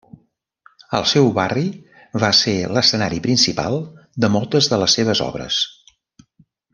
El seu barri va ser l'escenari principal de moltes de les seves obres.